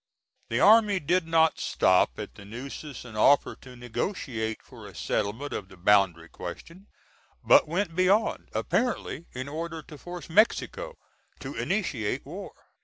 The army did not stop at the Nueces and offer to negotiate for a settlement of the boundary question, but went beyond, apparently in order to force Mexico to initiate war.